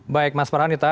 baik mas marhanita